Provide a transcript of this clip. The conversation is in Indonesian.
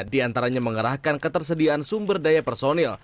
diantaranya mengerahkan ketersediaan sumber daya personil